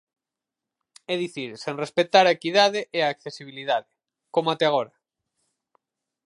É dicir sen respectar a equidade e a accesibilidade, como até agora.